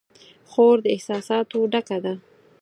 خور د احساساتو ډکه ده.